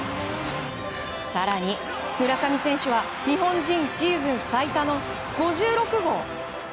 更に村上選手は日本人シーズン最多の５６号。